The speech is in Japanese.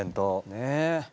ねえ。